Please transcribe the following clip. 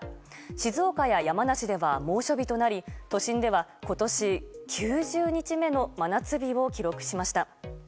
静岡や山梨では猛暑日となり都心では今年９０日目の真夏日を記録しました。